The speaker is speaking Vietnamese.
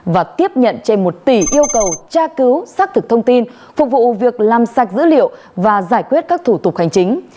và tiếp nhận trên một tỷ yêu cầu tra cứu xác thực thông tin phục vụ việc làm sạch dữ liệu và giải quyết các thủ tục hành chính